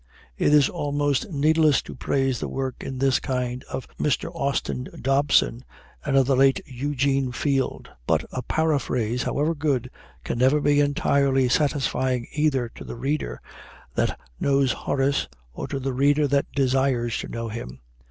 It is almost needless to praise the work in this kind of Mr. Austin Dobson and of the late Eugene Field. But a paraphrase, however good, can never be entirely satisfying either to the reader that knows Horace or to the reader that desires to know him.